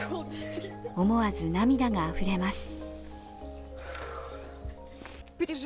思わず涙があふれます。